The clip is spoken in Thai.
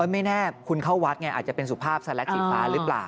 ไม่แน่คุณเข้าวัดไงอาจจะเป็นสุภาพสแลตสีฟ้าหรือเปล่า